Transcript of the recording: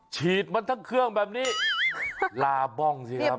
ฉีดมันทั้งเครื่องแบบนี้ลาบ้องสิครับ